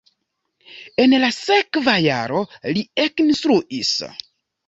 En la sekva jaro li ekinstruis.